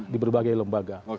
di berbagai lembaga